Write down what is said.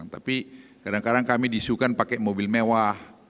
tapi kadang kadang kami disukan pakai mobil mewah